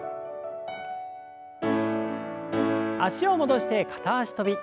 脚を戻して片脚跳び。